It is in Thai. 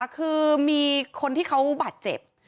คือมีคนที่เขาบาดเจ็บ